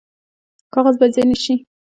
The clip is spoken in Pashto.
کاغذ باید ضایع نشي